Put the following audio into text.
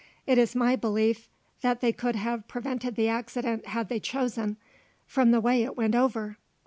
It is my belief that they could have prevented the accident had they chosen, from the way it went over."